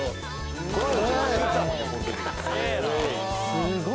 すごい！